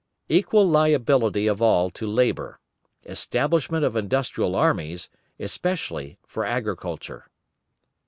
Equal liability of all to labour. Establishment of industrial armies, especially for agriculture.